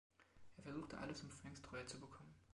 Er versucht alles, um Franks Treue zu bekommen.